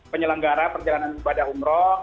penyelenggara perjalanan ibadah umroh